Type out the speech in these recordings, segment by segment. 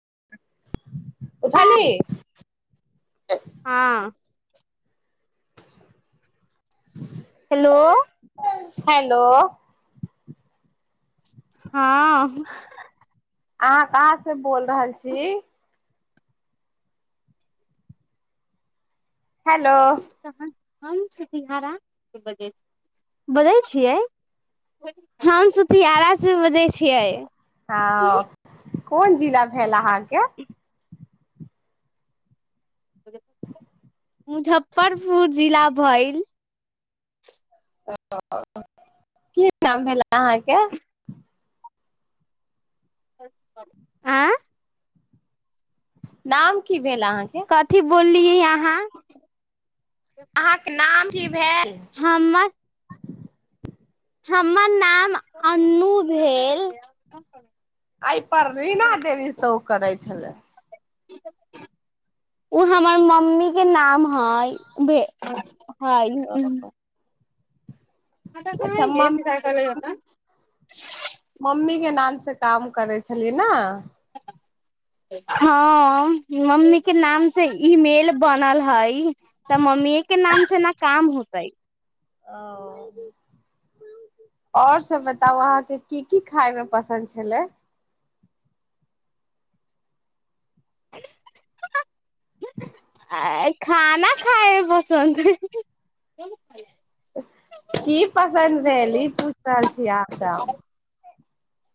[unintelligible] हँ [unintelligible] hello hello हँ अहाँ कहाँ से बोल रहल छी हेलो हम सतिहारा बजै छी बजै छियै हम सुथियारासँ बजै छियै हँ कोन जिला भेल अहाँके मुजफ्फरपुर जिला वइल ओ की नाम भेला अहाँके आँ नाम की भेल अहाँके कथी बोललियै अहाँ अहाँके नाम ह हम्मर हमर नाम अन्नु भेल एहि पर रीना देवी सेहो करै छलै ओ हमर मम्मी के नाम है हँ अच्छा मम्मी मम्मी के न नाम से काम करै छलियै न हँ मम्मी के नाम से ईमेल बनल हइ तऽ मम्मीए के नाम से ने काम होतै आओर सब बताउ अहाँके की की खााय मे पसन्द छलै आ खाना खायब पसन्द ह की पसन्द भेल ई हँ पूछ रहल छीिय अहाँस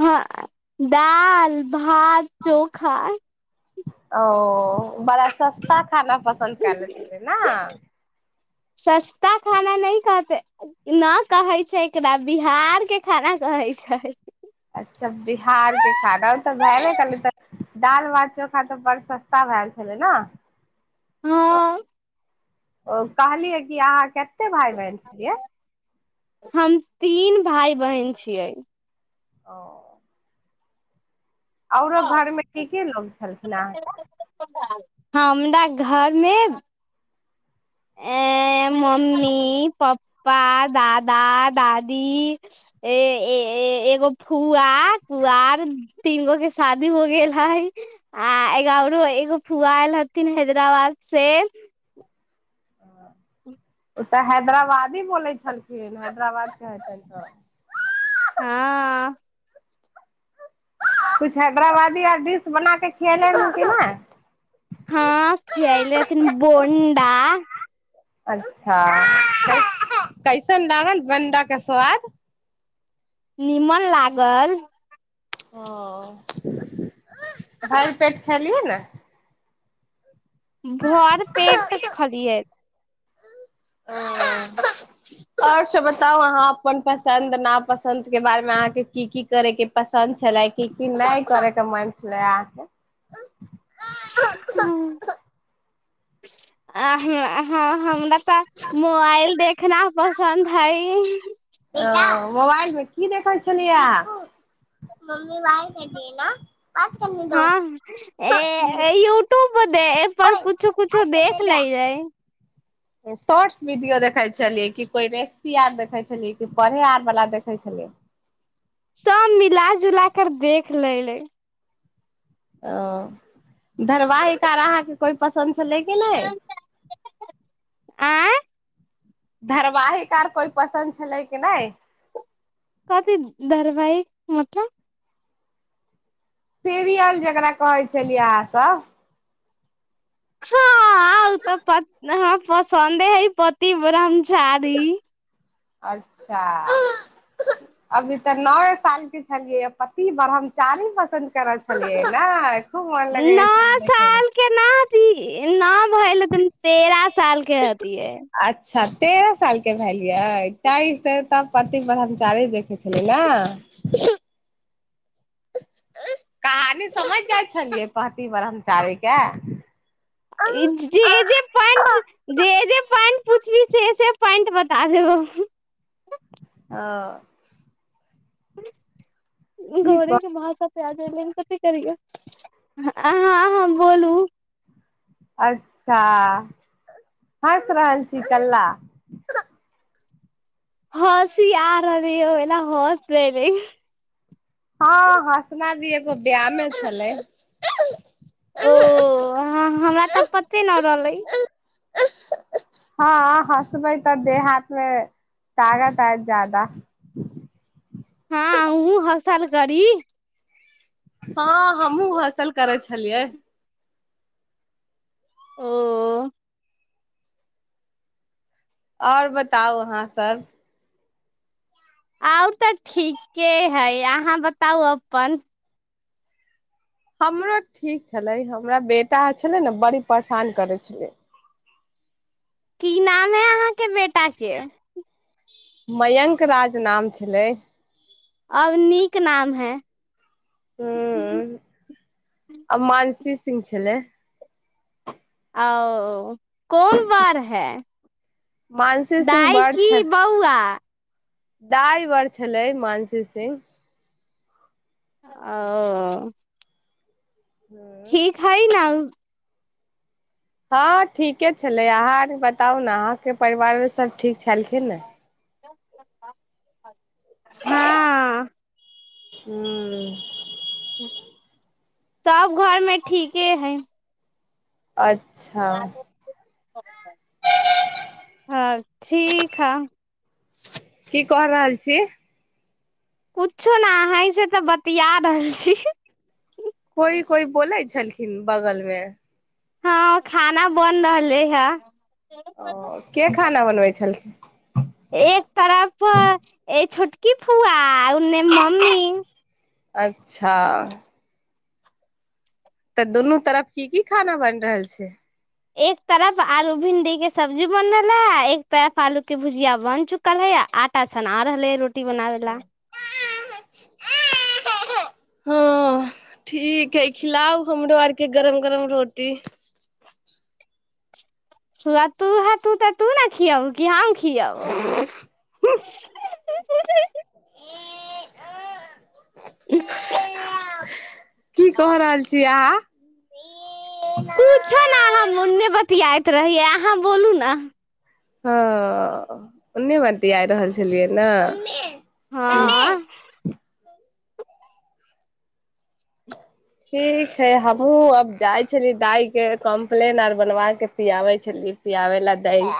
हँ डाल भात चोखा ओ बड़ सस्त खाना पसन्द कल छल ने सस्ता खाना नहि कहते न कहै छै एकरा बिहार के खाना कहै छै अच्छा बिहारके खादा ओ तऽ भएबे कै तऽ दाल भात चोखा तऽ बड़ सस्ता भेलए छलै ने आ हँ ओ कहलियै कि अहाँ क भाय बन हम तीन भाय बहिन छियै ओ औरो घरमे ठ केे लोग छल नहि हमरा घरमे आ मम्मी पा प्पा दादा दादी एगो फूआ पुआर तीन गो के शादी हो गेल हई आ एगाररो एगो फूआ एल हथिन हैदराबाद से ओ तऽ हैदराबादी बोलै छलखिन हैदराबाद केे तऽ आ कुछ हैदराबादी आर डिश बना क खियएले ह क ने हँ खियलेथिन बोंडा अच्छा कैसन लागल गणडाे स्वाद निीमन लागल ओ हर पेट खेलियै ने भर पेट खालिए ह आओर सभ बताउ अहाँ अपन पसन्द नापसन्दके बारेमे अहाँके की की करयके पसन्द छलै की की नहि करयके मन छलै अहाँके [unintelligible] आ हँ हमरा तऽ मोबाइल देखना पर सन्धाय मोबाइल मे की देखै छलियए म्मी हँ यूट्यूब पर दे ए पर ओए कुछो कुछो बात करने देख दे लय हय शॉर्ट्स वीडियो देखै छलियै कि कोइ रेसिपी आर देखै छलियै कि पढ़े आर वालला देखै छलियै सब मिला जुला कर देख ल ले ओ धरवाहििक आ अहाँके कोइ पसन्द छलै किी नहि आँ धरबाहिक आर कोइ पसन्द छलै कि नहि कथि दरबइ मतलब सीरियल जकरा कहै छलियै अहाँ सब हँ ओ तऽ प पसन्दे हइ पति ब्रह्ममचारी अच्छा अभी तऽ नया साल के छलियै पति ब्रह्मचारी पसन्द कर छलिए ना खूब मन लगै देखय मे कि नाय भल त तेरा सालकेती हेतीये अच्छा तेरह साल के भेलियै ताहि से त पति ब्रह्मचारी देखे छलै न खाली समझ जाइ छलियै पति ब्रह्मचारी के ओ जे जे पैंट जे जे पैंट पूछी से से पैंट बता देबो आओ गोड़े कह के भा सब पे आ जा अहाँ आबु बोलू अच्छा हँस रहल छी कल्ला हसी आर रहल एला हस रहे र हँ हँसना भी एगो ब्याने छलै ओ हमरा तऽ पते न रहलै हँ हसबै तऽ देह हाथमे ताकत आब ज्यादा हँ हूँ हसल करी हँ हमहु हसल करय छलियै ओ आओर बताउ अहाँ सब आउ तऽ ठीके हइ अहाँ बताउ अपन हमरो ठीक छलै हमरा बेटा छलै ने बड़ी परेशान करै छलै की नाम है अहाँके बेटी टाके मयंक राज नाम छलै अब नीक नाम है हँ आ मानसी सिंह छलै आ कोन बार है मानसी दाइ की बौआ दाइवर छलै मानसी सिंह ओ ह ठीक हइ न हँ ठीके छलै अहाँ आर बताउ ने अहाँके परिवार सभ ठीक छलखिन ने हँ ह्म तब घर मे ठीके है अच्छा ह ह हँ ठीकीक ह की क रहल छी कुछो ने अही से तऽ बतििया रहल छी कोइ कोइ बोलै छलखिन बगलमे हँ खाना बन रहले हे ओ के खाना बनबै छलख कि फुआ आउ ने मम्मी अच्छा तऽ दुनू तरफ की की खाना बनि रहल छै एक तरफ आलू भिंडी के सब्जी बन रहला है एक तरफ आलू के भुजिया बन चुकल है आ आटा सना रहल है रोटी बनावे ला हँ ठीक है खिलाउ हमरो आरके गरम गरम रोटी सु तू है तू तऽ तू ने खिया क किया ओ [unintelligible] की क रहल छी अहाँ ह पूछ न हम उने बतियाए रहियै अहाँ बोलू ने हँ ओन्ने बरट आइ रहल छलियै ने हँ ठीक छै हमहूँ अब जाइ छलियै दाइ के कम्प्लेन आर बनवा क पियाबै छलीै पियाबे ल दही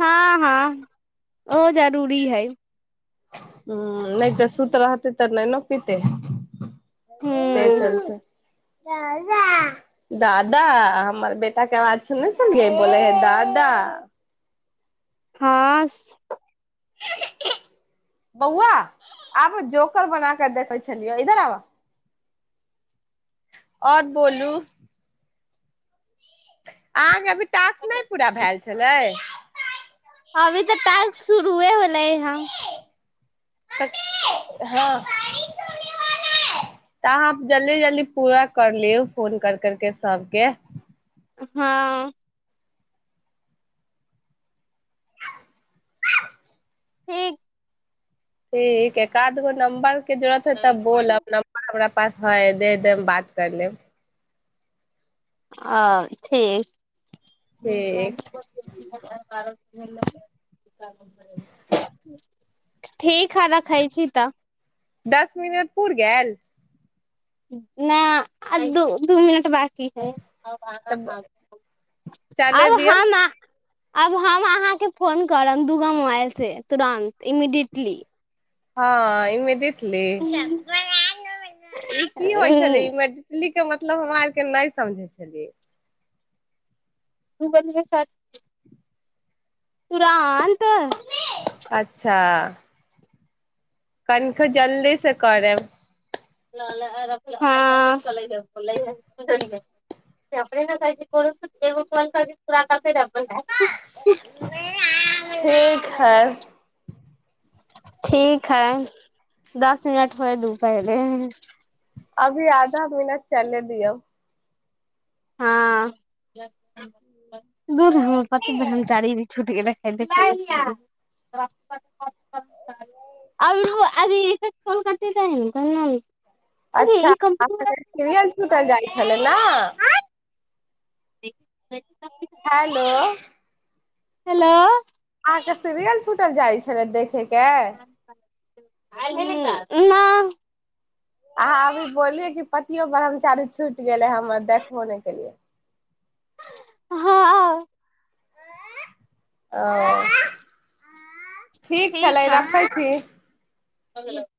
हँ हँ ओ जरूरी है ह नहि तऽ सुूत रहतै तऽ नहि ने पीते ह से चलत द दादा हमर बेटा के आवाज सुने छलनिय बोले हे दादा हँ बौआ आब जोकर बना क देखै छलियै इधर आब आओर बोलू आग ब टास्क नहि पूरा भेल छलै हभी त तासक शुरू ह होलै हँ हँ तऽ अहाँ जल्दी जल्दी पूरा कर लिौ फोन कर करके सबके हँ ठीक ठीक काद गो न्बर के जरूरत है तब बोलब नर हम पास है दे देम बात कर लेम आ ठीक ज [unintelligible] ठीक [unintelligible] ठीक है रखय छी तब दस मिनट पुर गेल न अ द दू मिनट बाकी ठीक है तऽ अब ह चले आब दियौ हम आब हम अहाँके फोन करब दूगो मोबाइल से तुरंत इमीडियएटली हँ ईमिदिये की होइ छ्लै इमिडीएटली के मतलब हमरा आरके नहि समझै छलियै तू बोल्बी सा कुरान अच्छा कनख जल्दी से करेब [unintelligible] [unintelligible] हँ ठीक है दस मिनट होए दू पहिले अभी आधा मिनट चलय दियो हँ दू हम पति ब्रहमचारी भी छूट र आर अभी कल कट तै ने कह अच्छा सिरियल छुटल जाय छले ना [unintelligible] हेलो हेलो हाँ के सीरियल छूटल जाइ छले देखे के त न अहाँ अभी बोलिलै कि पतियो ब्रह्मचारी छुटि गेलै हमर देखबो नहि केलियै हँ आ ठीक छलै रखै छी ह